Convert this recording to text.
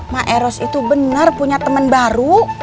ma eros itu bener punya temen baru